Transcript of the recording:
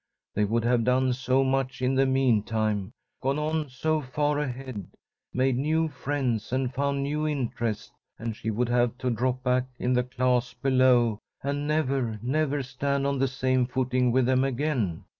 They would have done so much in the meantime, gone on so far ahead, made new friends and found new interests, and she would have to drop back in the class below, and never, never stand on the same footing with them again.